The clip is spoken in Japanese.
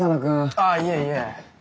あっいえいえ。